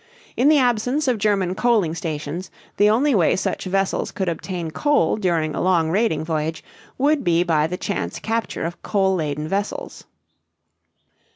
In the absence of German coaling stations, the only way such vessels could obtain coal during a long raiding voyage, would be by the chance capture of coal laden vessels.